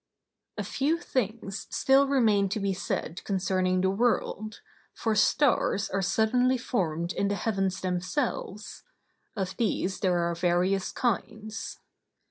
A few things still remain to be said concerning the world; for stars are suddenly formed in the heavens themselves; of these there are various kinds.